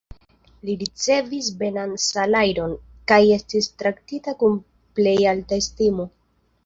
Li ricevis belan salajron, kaj estis traktita kun plej alta estimo.